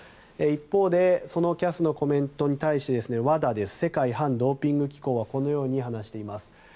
一方でＣＡＳのコメントに対してＷＡＤＡ・世界反ドーピング機構はこのように話しています。